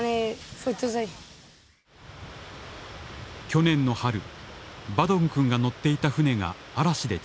去年の春バドンくんが乗っていた船が嵐で沈没。